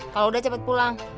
kalau udah cepet pulang